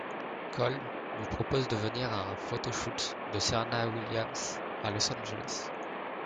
Cole lui propose de venir à un photoshoot de Serena Williams à Los Angeles.